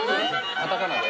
カタカナで？